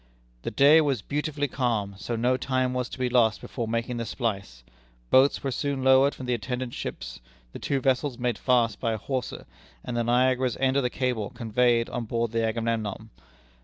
"The day was beautifully calm, so no time was to be lost before making the splice; boats were soon lowered from the attendant ships, the two vessels made fast by a hawser, and the Niagara's end of the cable conveyed on board the Agamemnon.